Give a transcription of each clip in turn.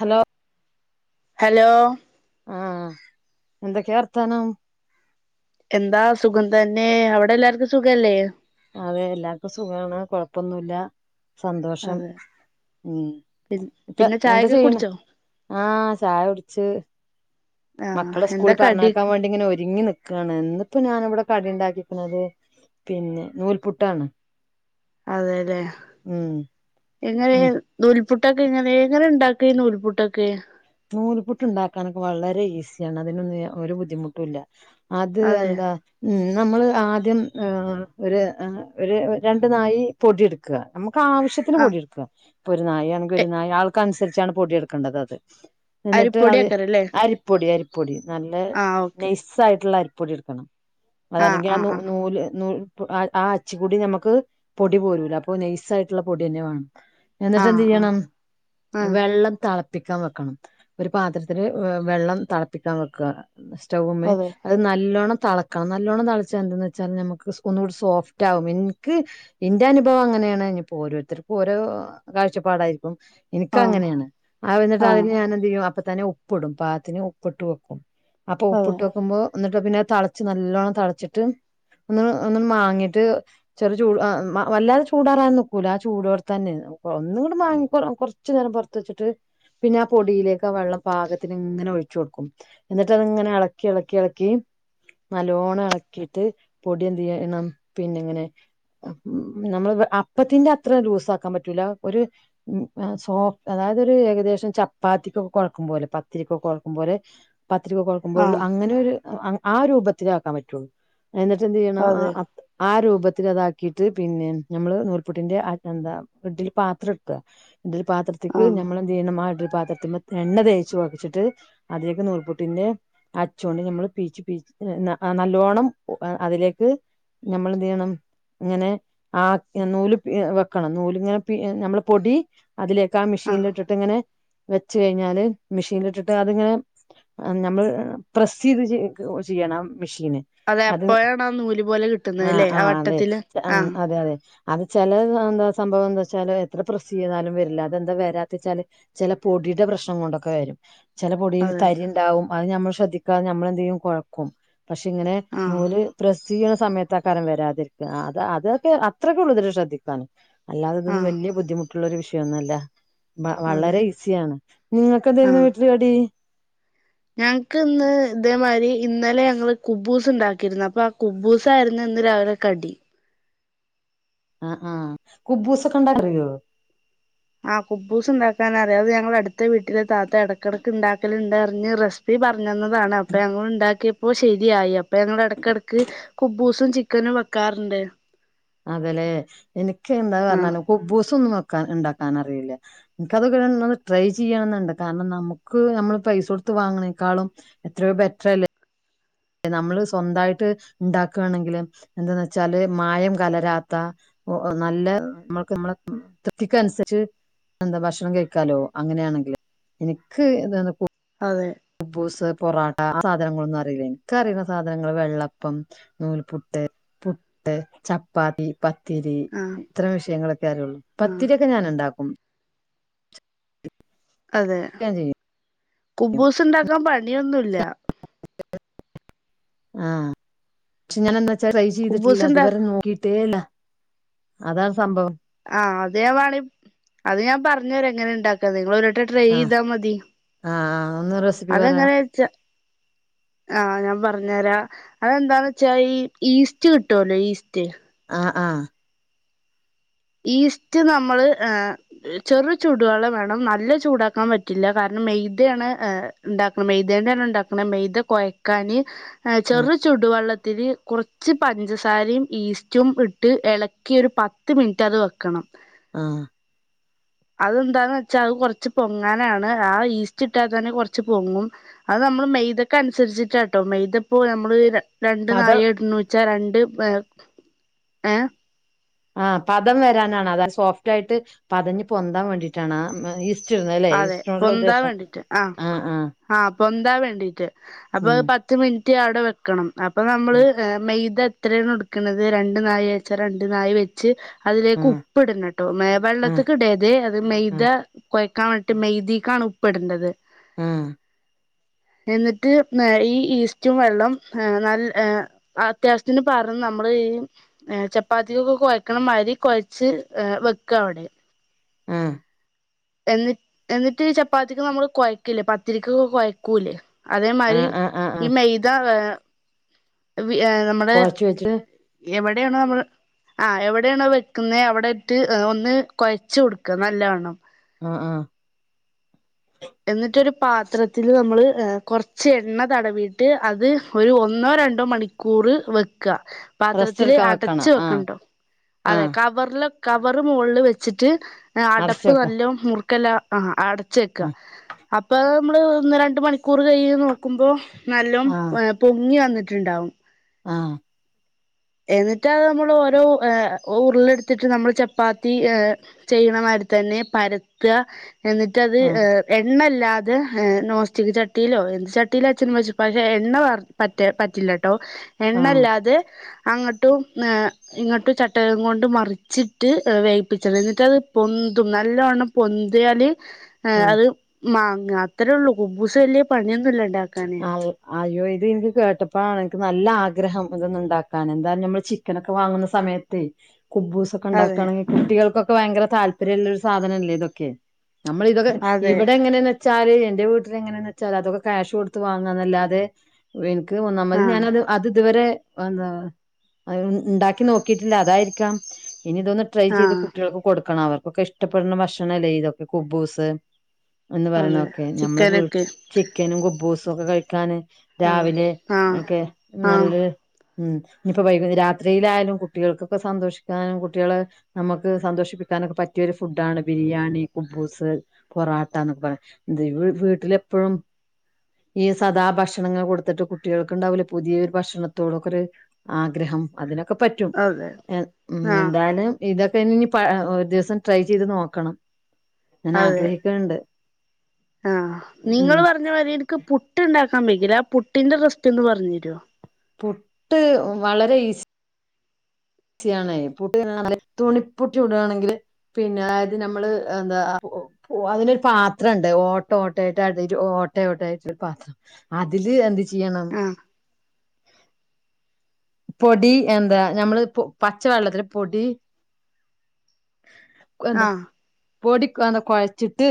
Hello hello ആ എന്തൊക്കെയാ വർത്താനം. എന്താ സുഖം തന്നെ അവിടെ എല്ലാർക്കും സുഖല്ലേ. അതെ എല്ലാർക്കും സുഖമാണ് കൊഴപ്പൊന്നുവില്ല. സന്തോഷം, അതെ ഉം പി ഇപ്പൊ പിന്നെ എന്താ ചായൊക്കെ ചെയ്യണെ, കുടിച്ചോ ആ ചായ കുടിച്ച്. ആഹ് മക്കളെ എന്താ സ്കൂളിൽ കടി പറഞ്ഞാക്കാൻ വേണ്ടി ഇങ്ങനെ ഒരുങ്ങി അതാണ് ഇന്നിപ്പോ ഞാൻ ഇവിടെ കടി ഉണ്ടാക്കിയിരിക്കണത് പിന്നെ നൂൽപുട്ടാണ്. അതെതെ ഉം എങ്ങനെ നൂൽപുട്ടൊക്കെ എങ്ങനെ എങ്ങനെ ഉണ്ടാക്കും, നൂൽപുട്ടൊക്കെ. നൂൽ പുട്ട് ഉണ്ടാക്കാനൊക്കെ വളരെ ഈസിയാണ് അതിനൊന്നും ഒരു ബുദ്ധിമുട്ടും ഇല്ല. അത് അതെ എന്താ, ഉം നമ്മൾ ആദ്യം ഒരു ഒരു രണ്ട നാഴി പൊടി എടുക്കുക നമുക്ക് ആവശ്യത്തിന് ആഹ് പൊടിയെടുക്കുക, ഇപ്പൊ ഒരു നായ ആണെങ്കിൽ എ ഒരു നായ ആൾക്ക അനുസരിച്ചാണ് പൊടിയെടുക്കേണ്ടത്. എന്നിട്ട് അരിപ്പൊടിയാക്കാരല്ലേ അരിപ്പൊടി, അരിപ്പൊടി നല്ല ആഹ് ഓക്കെ നെയ്സ് ആയിട്ടുള്ള അരിപ്പൊ പ്പൊടി എടുക്കണം ആഹ് അതല്ലെങ്കിൽ ആ ആഹ് നൂല് നൂല് നൂ ആ, അച്ച് കൂടി നമുക്ക് പൊടി പോരൂല അപ്പൊ നൈസ് ആയിട്ടുള്ള പൊടി തന്നെ വേണം. എന്നിട്ട് ആഹ് എന്ത് ആഹ് ചെയ്യണം ആഹ് ആഹ് വെള്ളം തിളപ്പ പ്പിക്കാൻ വെക്കണം ഒരു പാത്രത്തില് വെള്ളം തിളപ്പിക്കാൻ വെക്കുക. സ്റ്റൗവ് മേ അതെ അത് നല്ലോണ്ണം തെളക്കണം നല്ലോണ്ണം തിളച്ച എന്തന്ന് വെച്ചാൽ നമുക്ക് ഒന്നുകൂടി സോഫ്റ്റ് ആകും, എനിക്ക് എന്റെ അനുഭവം അങ്ങനെ ഇപ്പോ ഓരോത്തർക്ക ഓരോ കാഴ്ചപ്പാടായിരിക്കും എനിക്ക് ആഹ് അങ്ങനെയാണ് അത് കഴിഞ്ഞിട്ട് ആഹ് അതിന് ഞൻ എന്ത് ചെയ്യും അപ്പ തന്നെ ഉപ്പ്ഇടും, പാകത്തിന് ഉപ്പിട്ട്‌ വെക്കും, അപ്പൊ അതെ ഉപ്പിട്ട് വെക്കുമ്പോ അന്നിട്ട് പിന്നെ തിളച്ച് നല്ലോണ്ണം തിളച്ചിട്ട്. ഒന്ന് മാങ്ങിയിട്ട് ചെറിയ ചൂട് വല്ലാതെ ചൂടാറാൻ നിക്കൂല, ആ ചൂടോടെ തന്നെ ഒന്നും കൂടെ വാങ്ങി കൊറച്ചു നേരം പുറത്ത് വച്ചിട്ട് പിന്നെ ആ പൊടിയിലേക്ക് ആ വെള്ളം പാകത്തിന് ഇങ്ങനെ ഒഴി കൊടുക്കും എന്നിട്ട് അതിങ്ങനെ ഇളക്കി ഇളക്കി ഇളക്കി, നല്ലോണം ഇളക്കിട്ട് പൊടിയ എന്ത് ചെയ്യണം പിന്നെ ഇങ്ങനെ നമ്മള് അപ്പത്തിന്റെ അത്ര ലൂസ് ആക്കാൻ പറ്റൂല, ഒരു സോഫ് അത അതൊരു ഏകദേശം ചപ്പാത്തിക്കൊക്കെ കൊഴക്കും പോലെ പത്തിരിക്കൊക്കെ കൊഴക്കും പോലെ. പത്തിരിയൊക്കെ കുഴക്കുമ്പോഴള്ള ആഹ് അങ്ങനെ ഒരു ആ രൂപത്തില ആക്കാൻ പറ്റു എന്നിട്ട് എന്ത് ചെയ്യണം അതെ ആ രൂപ രൂപത്തിൽ അതാക്കിയിട്ട് പിന്നെ നമ്മള് നൂൽപുട്ടിന്റെ എന്താ ഇഡലി പാത്രം എടുക്കുക. ഇഡ്ഡലി പാത്രത്തിലേക്ക് ആഹ് ഞമ്മള് പാത്രത്തി എണ്ണ തേച്ച് വെച്ചിട്ട് അതിലേക്കെ നൂൽപുട്ടിന്റെ അച്ചുകൊണ്ട് നമ്മള് [unintelligible] ആ നല്ലോണ്ണം ഉ അതിലേക്ക് ഞമ്മൾ എന്ത് ചെയ്യണം ഇങ്ങനെ ആ നൂല് എ പി എ വെക്കണം നൂല്എ ഇങ്ങനെ നമ്മള് പൊടി. അതിലേക്ക് ആ ആഹ് മിഷീനില് ഇട്ടിട്ട് ഇങ്ങനെ വെച്ച് കഴിഞ്ഞാല് മി ഷീനിലിട്ടിട്ട് അതിങ്ങനെ ഞമ്മള് പ്രസ് ചെയ്ത് ചിയ്യണം. മിഷീന് അതെ അത് അപ്പോഴാണ് ആ നൂല് പോലെ അ കിട്ടുന്നത് ല്ലേ ആ അത് വട്ടത്തില് അ ആഹ് അത് ത് അന്ന്ച്ചേ ചെലത് എന്താ സംഭവം എന്താ വെച്ചാൽ എത്ര പ്രസ്സ് ചെയ്താലും വെരില്ല അതെന്താ വരാ എന്താച്ചാൽ ചെല പൊടീടെ പ്രശ്നം കൊണ്ടൊക്കെ വെരും ചെല പൊടിൽ അതെ തരി ഇണ്ടാകും അത് ഞമ്മൾ ശ്രദ്ധിക്കാതെ നമ്മളെന്തെയ്യും കൊ ഴക്കും പക്ഷെ ഇങ്ങനെ ആഹ് നൂല് പ്രസ്സ് ചെയ്ണ സമയത്തക്കാരം വെരതേരി അത് ത് അതൊക്കെ അത്രൊക്കോള്ളു ശ്രദ്ധിക്കാന് അല്ലാതെ ഇതൊന്നും ആഹ് വലിയ ബുദ്ധിമുട്ടുള്ളൊരു വിഷയൊന്നല്ല. വ അതെ വളരെ ഈസിയാണ് നിങ്ങൾക്ക് എന്തേരുന്നു ആഹ് വീട്ടില് കടി? ഞങ്ങക്ക് ഇന്ന് ഇതേമാതിരി ഇന്നലെ ഞങ്ങള് കുബൂസ് ഇണ്ടാക്കിയിരുന്നു അപ്പൊ ആ കുബൂസായിരുന്നു. ഇന്ന് രാവിലെ കടി. ആ ആ കുബ്ബൂസൊക്കെ ഇണ്ടാക്കാ അറിയോ? ആ കുബൂസ് ഇണ്ടാക്കാൻ അറിയാം അത് ഞങ്ങളെ അടുത്ത വീട്ടിലെ താത്ത ഇടക്കിടക്ക് ഉണ്ടാക്കലുണ്ട്റിഞ് റെസിപ്പി പറഞ്ഞ ഞന്നതാണ് അപ്പൊ ഞങ്ങളുണ്ടാക്കി. അപ്പൊ ശെരിയായി അപ്പൊ ഞങ്ങള എ ടക്ടക്ക് കുബൂസും ചിക്കനും വെക്കാറ്ണ്ട്. അതെലെ എനിക്ക് എന്താ ആ പറഞ്ഞാൽ കുബൂസ്സൊന്നും വെ ഇണ്ടാക്കാൻ അറീല ഇൻക്കതൊക്കെ ട്രൈ ചെയ്യണംന്നുണ്ട് കാരണം നമുക്ക് നമ്മൾ പൈസ കൊട് ത്ത് വാഞ്ങ്ങ്ണേക്കാളും എത്രയോ ബെറ്റർല്ലേ? നമ്മള് സ്വന്തായിട്ട് ഇണ്ടാക്കാണെങ്കിൽ എന്താന്ന് വെച്ചാല് മായം കലരാത്ത ഓ അ നല്ല നമ്മൾക്ക് നമ്മളെ തൃപ്തിക്ക് അനുസരിച്ച് എന്താ ഭക്ഷണം കഴിക്കാലോ അങ്ങനെയാണെങ്കിൽ എനിക്ക് എന്താ അതെ കുബൂസ് പൊറോട്ട സാധനങ്ങളൊന്നും അറിയില്ലനി ഇൻക്കറിയുന്ന സാധനങ്ങൾ വെള്ളപ്പം നൂൽപുട്ട് ട്ട് പുട്ട്, ചപ്പാത്തി പത്തിരി ആ ഇത്രേം വിഷയങ്ങളൊക്കെ അറിയൊള്ളു ആ പത്തിരിയ ഒക്കെ ഞാന് ഇണ്ടാക്കും അതെ ഞാൻ ചെയ്യും കുബൂസ്ണ്ടാക്കാൻ പണിയൊന്നുല്ല. ആ ക്ഷെ ഞാന് എന്താ ട്രൈ ചെയ്തിട്ടില്ല കുബൂസ് ഇണ്ട അതുവരെ നോക്കിട്ടേല്ല അതാണ് സംഭവം. ആ അത് ഞാൻ വണേ അത് ഞാൻ പറഞെര എങ്ങനെ ഇണ്ടാക്കാന്ന് നിങ്ങളൊര് ട്രൈ ആ ഇതാ മതി. ആ ആ ഒന്ന് റെസിപ്പി പറ അതെങ്ങനെച്ച ആ ഞാൻ പറഞ് പറഞ്ഞരാ അതെന്താന്ന് വെച്ചാ ഈ ഈസ്റ്റ് കിട്ടുവോല്ലോ ഈസ്റ്റ് അ അ ഈസ്റ്റ് നമ്മള് ചെറു ചുടു വെള്ളം വേണം നല്ല ചൂടാക്കാൻ പറ്റില്ല കാരണം മെയ്തെയാണ് ഏ ഇണ്ടാക്കുന്നത് മെയ്തേണ്ടാണ് ഇണ്ടാക്കുന്നത് മെയ്ത കൊയക്കാന് അ ആ ചെറു ചുട് വെള്ളത്തി ത്തില് കൊറച്ച് പഞ്ചസാരിം ഈസ്റ്റും ഇട്ട് എളക്കി ഒരു പത്ത് മിന് റ്റത് വെക്കണം. ആ അതെന്താന്ന് വെച്ചാ അത് കൊറച്ച് പൊങ്ങാനാണ് ആ ഈസ്റ്റ് ഇട്ടാതെന്നെ കൊറച്ച് പൊങ്ങും അത് നമ്മൾ മെയ്തെക്ക് അൻസരിച്ചിട്ടാട്ടോ മെയ്തപ്പോ ഞമ്മള് രണ്ട് പദം നായി എട്ണൂച്ച രണ്ട് ഏ ഏ ആ പദം വരാനാണ് അതാ സോഫ്റ്റായിട്ട് പതഞ്ഞ് പൊന്താൻ വേണ്ടിട്ടാണ് ആ മേ ഇ അതെ പൊന്താൻ വേണ്ടിട്ട് ആ ആ പൊ ന്താൻ വേണ്ടീറ്റ് ഉം അപ്പദ് പത്ത് മിൻറ്റ് അവടെ വെക്കണം അപ്പ നമ്മള് ഉം മെയ്ത എത്രണോ ഇടക്ക്ണത് രണ്ട് നായി വെച്ച് രണ്ട് നായ് വെച്ച് ആ അതിലേക്ക് ഉപ്പ് ഇടണംട്ടോ മേ ആ വെള്ളത്തിക്ക് ഇടര്ത് അത് ആ മെയ്ത കൊയ ട്ട് മെയ്തീക്കാണ് ഉപ്പ്ടണ്ടത്. ആ എന്നിട്ട് ഈ ഈസ്റ്റും വെള്ളും നല്ല അത്യാവശ്യത്തിന് പാർന്ന് നമ്മള് ചപ്പാത്തികൊക്കെ കൊഴക്കണ മാതിരി കൊഴച്ച് വെക്ക അവടെ ആ എന്നി എന്നിട്ട് ചപ്പാത്തിക്ക് നമ്മള് കൊഴക്കില്ലേ പത്തിരിയ്ക്ക്ക്കെ കൊയക്കൂല്ലേ അതേ മാതിരി ആഹ് ആഹ് ആഹ് ഈ ആഹ് മെയ്ത നമ്മള് കൊഴച്ച് വെച്ചിട്ട് എവിടെണോ നമ്മള് ആ എവിടെയാണോ വെക്കുന്നേ അവിടെട്ട് ഒന്ന് കൊയച്ച് കൊടുക്ക നല്ലവണ്ണം ആ ആ എന്നിട്ടൊരു പാത്രത്തില് നമ്മള് കൊറച്ച് എണ്ണ തടവിയിട്ട് അത് ഒരു ഒന്നോ രണ്ടോ മണിക്കൂർ ക്കൂറു വെക്ക റെസ്റ്റ് പാത്രത്തില് എടുക്കാൻ അടച്ച് വെക്കണം ആഹ് വെക്കൺ ട്ടോ അതെ ആഹ് കവറില് കവറ് മോൾല് വെച്ചിട്ട് അടച്ച് അടപ്പ് വെക്ക നല്ല മുറുക്കല്ല അടച്ച് വെക്ക ആഹ് അപ്പോ നമ്മള് ഒന്ന് രണ്ട് മണിക്കൂർ കയിഞ്ഞ് നോക്കുമ്പോ നല്ലോം പൊങ്ങി വന്നിട്ട് ട്ട്ണ്ടാവും ആ എന്നിട്ട് അത് നമ്മള് ഓരോ ഉരുളെടുത്തിട്ട് നമ്മള് ചപ്പാത്തി ചെയ്യണമാതിരി തന്നെ പരത്ത എന്നിട്ടത് ആഹ് എണ്ണ ഇല്ല ല്ലാതെ നോസ്റ്റിക് ചട്ടിലോ എന്ത് ചട്ടിലോ വെച്ചോ പക്ഷേ എണ്ണ വ പറ്റ പറ്റില്ല ട്ടോ ആഹ് എണ്ണല്ലാതെ അങ്ങോട്ടും ഇങ്ങോട്ടും ചട്ടകം കൊണ്ട് മറിച്ചിട്ട് വേവിപ്പിച്ചത് എന്നിട്ട് അത് പൊ ന്തും നല്ലവണ്ണം പൊന്ത്യാല് ആഹ് അത് മാങ്ങ അത്രേ ഉള്ളൂ കുബൂസ് വല്യ പണിയൊ ആ അയ്യോ ഇത് ൻക്ക് കേട്ടപ്പളാണ് ൻക്ക് നല്ല ആഗ്ര ഗ്രഹം ണ്ട് ഇതൊന്ന് ണ്ടാക്കാന് എന്തായാലും നമ്മള് ചിക്കനൊക്കെ വാങ്ങുന്ന സമയത്തെ കുബൂസൊക്കെ അതെ ണ്ടാക്കാണെങ്കിൽ കുട്ടികൾക്കൊക്കെ ഭയങ്കര താല്പര്യമുള്ളൊരു സാധനല്ലേ ഇതൊക്കെ നമ്മള് ഇതൊക്കെ അതെ ഇവിടെ എങ്ങനെന്ന് വെച്ചാല് എന്റെ വീട്ടില് എങ്ങനെന്ന് വെച്ചാല് അതൊക്കെ ക്യാഷ് കൊടുത്ത് വാങ്ങാന്നല്ലാതെ എനിക്ക് ഒന്നാമത് ആ ഞാനത് അത് ഇത് വരെ [unintelligible] അത് ണ്ടാക്കി നോക്കിട്ടില്ല അതായിരിക്കാം ഇനി ഇതൊന്ന് ട്രൈ ആ ചെയ്ത് കുട്ടികൾക്ക് കൊടുക്കണം അവർ ക്ക്‌ ഇഷ്ടപ്പെടുന്ന ഭക്ഷണല്ലേ ഇതൊക്കെ കുബൂസ് എന്ന് അതെ പറയണതൊക്കെ നമ്മള് ചിക്കനൊക്കെ ചിക്കനും കുബ്ബൂസൊക്കെ കഴിക്കാന് അതെ രാവിലെ ആഹ് ഒക്കെ ആഹ് നല്ല ഉം ഇനിയിപ്പോ വൈകു രാത്രിയിലായാലും കുട്ടികൾക്കൊക്കെ സന്തോഷിക്കാനും കുട്ടികളെ നമുക്ക് സന്തോഷിപ്പിക്കാ നുമൊക്കെ പറ്റിയൊരു ഫുഡാണ് ബിരിയാണി കുബൂസ് പൊറോട്ട എന്നൊക്കെ പറയന്നേ വീട്ടിലെ എപ്പളും ഈ സദാ ഭക്ഷണങ്ങള് കൊടുത്തിട്ട് കുട്ടികൾക്ക് ഉണ്ടാവില്ല പുതിയൊരു ഭക്ഷണത്തോടെക്കെ ഒരു ആഗ്രഹം അതിനൊക്കെ ഒക്കെ പറ്റും അതെ ആഹ് എന്തായാലും ഇതൊക്കെ പിന്നെനി പ ഒരു ദിവസം ട്രൈ ചെയ്ത് നോക്കണം ഞാൻ ആഗ്രഹിക്കൻണ്ട് ആ നിങ്ങള് പറഞ്ഞ മാതിരി ക്ക് പുട്ട് ഉണ്ടാക്കാൻ ഭയങ്കര ആ പുട്ടിന്റെ റെസിപ്പി ഒന്ന് പറഞ്ഞു തരോ പുട്ട് വളരെ ഈസി സിയാണേ പുട്ട് തിന്നണമെന്ന് പറഞ്ഞാല് തുണിപ്പുട്ട് ചുടു വാണെങ്കില് പിന്നെ അത് നമ്മള് എന്താ അതിനൊരു പാത്രമൊണ്ട് ഓട്ട ഓട്ടട്ട ഓട്ട ഓട്ട ആയിട്ട് ഒരു പാത്രം അതില് എ ചെയ്യണം ആഹ് പൊടി എന്താ ഞമ്മള് പച്ചവെള്ളത്തില് പൊടി ആ പൊടിക്ക് അങ്ങ് കൊഴച്ചിട്ട്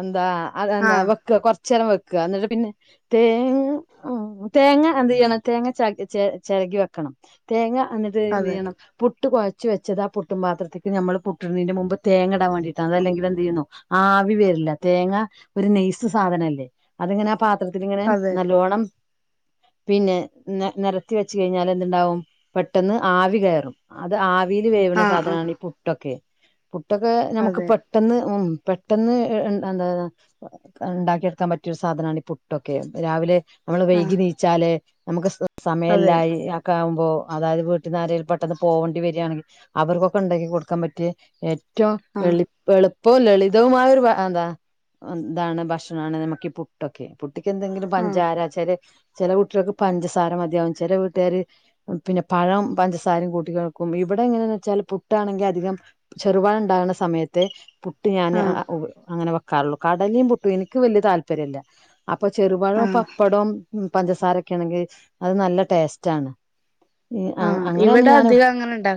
എന്താ എന്താ ആഹ് വെക്ക കൊറച്ച നേരം വെ വെക്ക അന്നിട്ട് പിന്നെ തേ ആ തേങ്ങ എന്ത് ചെയ്യണം തേങ്ങ ചെ രകി വെക്കണം തേങ്ങ അന്നിട്ട് എന്ത് അതെ ചെയ്യണം പുട്ട് കൊഴച്ച വെച്ചതാ ആ പുട്ടും പാത്രത്തിലേക്കിടണം നമ്മള് പുട്ട് ഇടുന്നതിന്റെ മുമ്പ് തേങ്ങ ഇടാൻ വേണ്ടിട്ടാണ് അതല്ലെങ്കിൽ എന്ത് ചെയ്യുന്നോ ആവി വരില്ല തേങ്ങ ഒരു ഇസ്‌സാധനല്ലേ അത്ങ്ങനെ ആ പാത്രത്തി ഇങ്ങനെ അതെ നല്ലോണം പിന്നെ നിരത്തി വെച്ച് കഴിഞ്ഞാൽ എന്തുണ്ടാവും പെട്ടെന്ന് ആവി കയറും അത് ആവി ആവീൽ വേവുന്ന ആഹ് ആഹ് സാധനമാണ് ഈ പുട്ടൊക്കെ പുട്ടൊക്കെ നമുക്ക് അതെ പെട്ടെന്ന് ഉ പെട്ടെന്ന് എന്താ ഉണ്ടാക്കിയെടുക്കാൻ പറ്റിയരു സാധനമാണ് ഈ പുട്ടൊക്കെ രാവിലെ നമ്മള് ആഹ് വൈകി നീച്ചാല് നമുക്ക് അതെ സമയമല്ലായിക്ക അപ്പോ അതായത് വീട്ടന്നാരയിൽ പെട്ടെന്ന് പോകേണ്ടി വരികയാണെങ്കിൽ അവർക്കൊക്കെ ഉണ്ടെങ്കി കൊടുക്കാൻ പറ്റിയഏറ്റ ഏറ്റവും ആഹ് എളിപ് എളപ് ഇപ്പൊ ലളിതവുംമായ ഒരു എന്താ എന്താണ് ഭക്ഷണമാണ് നമുക്ക് പുട്ടൊക്കെ പുട്ട്ക്ക് എന്തെങ്കിലും ആഹ് പഞ്ചാരച്ചല് ചെില കുട്ടികൾക്ക് പഞ്ചസാര മതിയാവും ചില വീട്ടുകാര് പിന്നെ പഴം പഞ്ചസാരയും കൂട്ടികൾക്കും ഈ ഇവിടെ എങ്ങെനെ ന്നച്ചാൽ പുട്ടണെ ങ്കിൽ അജ് മി അധികം ചെറുപഴംഉണ്ടാകുന്ന സമയത്തെ പുട്ട്ഞാൻ ആഹ് അങ്ങനെ കാളുകടലും പുട്ടു എനിക്ക് വലിയ താല്പര്യംല്ല അപ്പൊ ചെറുപഴവും ആഹ് പപ്പടം പഞ്ചസാരൊക്കെ ആണെങ്കിൽ അത് നല്ല ടേസ്റ്റ് ആണ് ഈ അ ആഹ ഇവിടെ അങ്ങനെയൊന്നും ഞാൻ അധികം അങ്ങനെണ്ടാ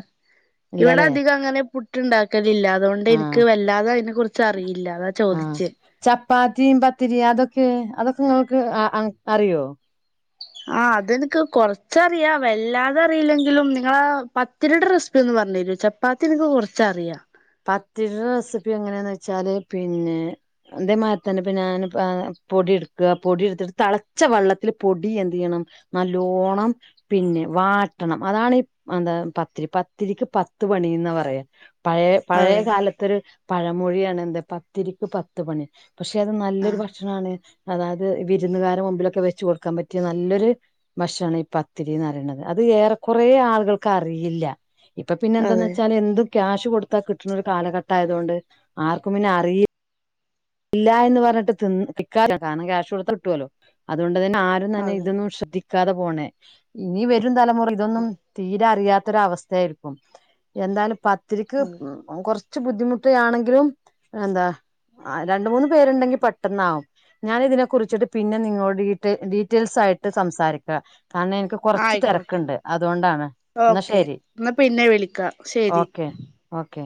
ഇവിടെ ഇല്ലല്ലേ അധികം അങ്ങ അങ്ങനെ പുട്ട് ഉണ്ടാക്കലില്ല അതുകൊണ്ട് എനിക്ക് ആഹ് വല്ലാതെ അതിനെ കുറിച്ച് അറിയില്ല അതാ ആഹ് ചോദിച്ച് ചപ്പാത്തിയും പത്തിരിയും അതൊക്കെ അതൊക്കെ നിങ്ങൾക്ക് അറിയോ ആ അതെനിക്ക് കൊറച്ചറിയാം വല്ലാതെ അറിയില്ലെങ്കിലും നിങ്ങള പത്തിരിയുടെ റെസിപ്പി ഒന്നും പറഞ്ഞു തരോചപ്പാത്തി എനിക്ക് കുറച്ചറിയാം പത്തിരി ടെറസിപ്പിഎങ്ങന വെച്ചാല് പിന്നെ ഇതെ മാരി തന്നെ ഞാൻ പൊടി ഇട്ത് പൊടി ഇട്ക്കാപൊടിഎടുത്തിട്ട് തിള വെള്ളത്തിൽ പൊടി എന് ചെയ്യണം നല്ലോണം പിന്നെ വാട വട്ടണം അതാണ് പ പത്തിരിപത്തിരിക്ക്പത്ത് പണി എന്നാ പറയാ പഴയ അതെ കാലത്തൊരു പഴമൊഴിയാണ് എന്താ പത്തിരിക്ക് പത്ത് മണി പക്ഷെ അത് നല്ലൊരു ആഹ് ഭക്ഷണാണ് അതായത് വിരുന്നുകാരെ മുമ്പിലൊക്കെ വെചച്ച് കൊടുക്കാൻ പറ്റിയ നല്ലൊരു ഭക്ഷ ണാണ് ഈ പത്തിരിന്ന് പറയണുന്നത് അത് ഏറെ കുറ ആൾുകൾക്ക് അറിയില്ല ഇപ്പ പിന്നെ എന്താന്ന് അതെ വെച്ചാൽ എന്തും ക്യാഷ്ഷ് കൊടുത്താൽ കിട്ടുന്ന ഒരു കാലഘട്ട ആയതുകൊണ്ട് ആർക്കും പിന്നെ അറിയില്ല ഇല്ല എന്ന് പറഞ്ഞിട്ട് തി തിക്കാല്ലോ കാരണം ക്യാഷ് കൊടുത്താൽ കിട്ടുവല്ലോ അതുകൊണ്ട് ആരും തന്നെ അതെ ഇതൊന്നും ശ്രദ്ധിക്കാതെ പോണ് ഇനി വരും തലമുറ ഇതൊന്നും തീരെ അറിയാത്ത ഒരുഅവസ്ഥയായിരിക്കും എന്തായാലും പത്തിരിക്ക് അതെ കൊറച്ച് കുറച്ച് ബുദ്ധിമുട്ടയാണെങ്കിലും എന്താ ആ രണ്ട്മൂന്ന് പേരുണ്ടെങ്കിൽ പെട്ടന്നാവും ഞാൻ ഇതിനെ കുറിച്ചിട്ട് പിന്നെ നിങ്ങളോട് ഡീറ്റെയിൽസ് ആയിട്ട് ട്ട്സംസാരിക്കുക കാരണം എനിക്ക് കൊറച്ച് ആയിക്കോട്ടെ തിരക്കുണ്ട് അതുകൊണ്ടാണ് എന്നാ ഓക്കെ ശരി എന്നാൽ പിന്നെ വിളിക്കാം ശരി ഓക്കെ ഓക്കെ